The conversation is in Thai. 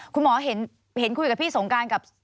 คุณหมอเห็นคุยกับพี่สงการกับ